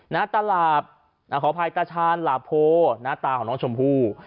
นาตาลาบขอภัยตาชาญลาโพนาตาของน้องชมพู